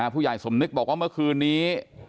ผู้ใหญ่สมนึกบอกว่าเมื่อคืนนี้